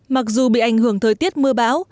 mặc dù bị ảnh hưởng thời tiết mưa báo